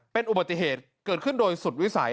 เป็นอุบัติเหตุเกิดขึ้นโดยสุดวิสัย